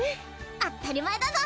あったり前だぞ！